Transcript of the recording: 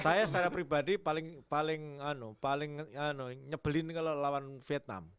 saya secara pribadi paling nyebelin kalau lawan vietnam